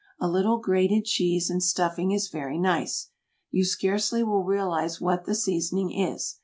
A little grated cheese in stuffing is very nice. You scarcely will realize what the seasoning is.